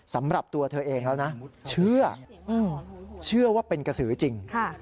สำหรับตัวเธอเองแล้วนะเชื่อเชื่อว่าเป็นกระสือจริง